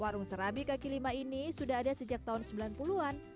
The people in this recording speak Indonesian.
warung serabi kaki lima ini sudah ada sejak tahun sembilan puluh an